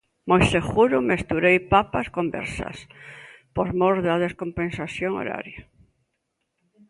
Moi seguro mesturei papas con verzas, por mor da descompensación horaria.